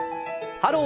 「ハロー！